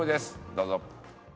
どうぞ。